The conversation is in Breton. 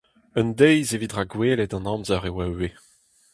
Un deiz evit rakwelet an amzer e oa ivez.